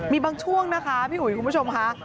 มีบางช่วงนะคะคุณผู้ชมค่ะ